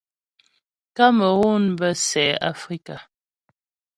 Kamerun bə́ sɛ Afrika.